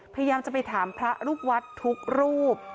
พยายามจะไปถามพระลูกวัดทุกรูป